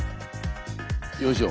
よいしょ。